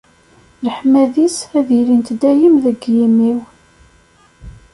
Leḥmadi-s ad ilint dayem deg yimi-w.